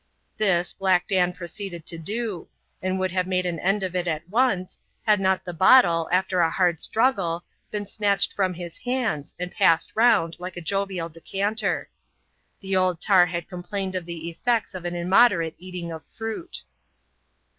This, Black Dan proceeded to do ; and would have made an end of it at once, had not the bottle, after a hard struggle, been snatched from his hands, and passed round, like a jovial decanter. The old tar had complained of the effects of an immoderate eating of fruit.